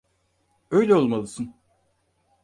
Öyle olmalısın.